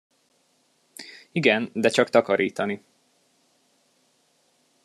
Igen, de csak takarítani.